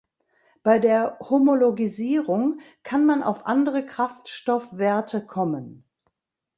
Bei der Homologisierung kann man auf andere Kraftstoffwerte kommen.